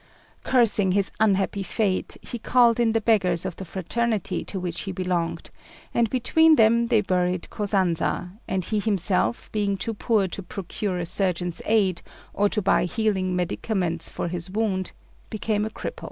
Cursing his unhappy fate, he called in the beggars of the fraternity to which he belonged, and between them they buried Kosanza, and he himself being too poor to procure a surgeon's aid, or to buy healing medicaments for his wound, became a cripple.